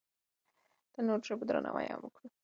د نورو ژبو درناوی هم وکړو.